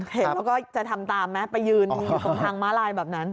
เห็นแล้วก็จะทำตามไหมไปยืนตรงทางม้าลายแบบนั้น